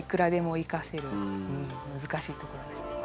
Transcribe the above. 難しいところなんです。